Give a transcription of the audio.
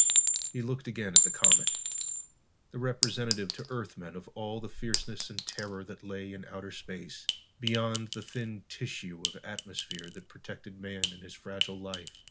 He looked again at the comet, the representative to Earthmen of all the fierceness and terror that lay in outer space, beyond the thin tissue of atmosphere that protected man and his fragile life.